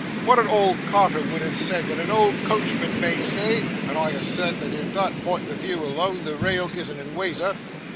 Wot a old Carter would have said, a old Coachman may say, and I as sert that in that pint o' view alone, the rail is an inwaser.